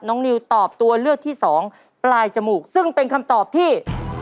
นิวตอบตัวเลือกที่สองปลายจมูกซึ่งเป็นคำตอบที่